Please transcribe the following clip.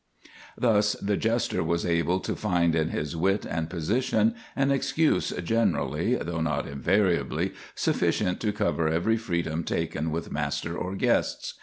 Thus the jester was able to find in his wit and position an excuse generally, though not invariably, sufficient to cover every freedom taken with master or guests.